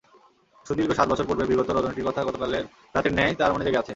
সুদীর্ঘ সাত বছর পূর্বের বিগত রজনীটির কথা গতকালের রাতের ন্যায় তার মনে জেগে আছে।